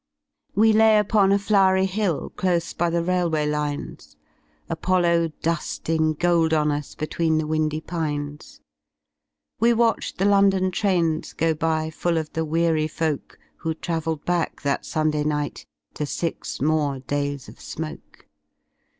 We lay upon a flowery hill Close by the railway lines, Apollo during gold on us Between the windy pines. We watched the London trains go by Full of the weary folk. Who travelled back that Sunday night To six more days of smoke.